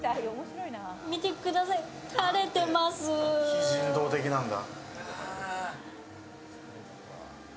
非人道的なんだ。